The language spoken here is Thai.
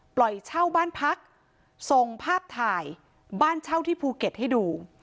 ปล่อยเช่าบ้านพักส่งภาพถ่ายบ้านเช่าที่ภูเก็ตให้ดู